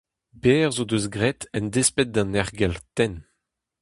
Berzh o deus graet en desped d'an aergelc'h tenn.